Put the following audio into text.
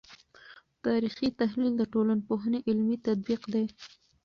تاریخي تحلیل د ټولنپوهنې علمي تطبیق دی.